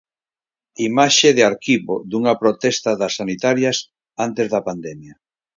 Imaxe de arquivo dunha protesta das sanitarias antes da pandemia.